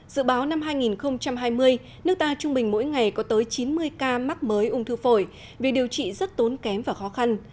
dự báo năm hai nghìn hai mươi nước ta trung bình mỗi ngày có tới chín mươi ca mắc mới ung thư phổi vì điều trị rất tốn kém và khó khăn